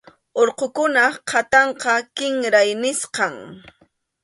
Urqukunap qhatanqa kinray nisqam.